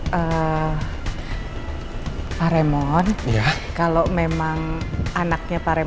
kenapa makanya gak sudah kayaknya epic